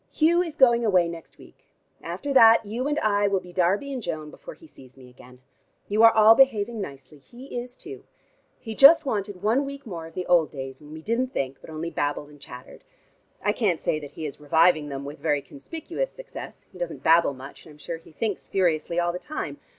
Hugh is going away next week; after that you and I will be Darby and Joan before he sees me again. You are all behaving nicely: he is too. He just wanted one week more of the old days, when we didn't think, but only babbled and chattered. I can't say that he is reviving them with very conspicuous success: he doesn't babble much, and I am sure he thinks furiously all the time.